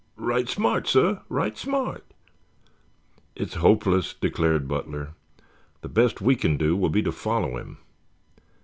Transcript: "Right smart, sah, right smart." "It's hopeless," declared Butler. "The best we can do will be to follow him.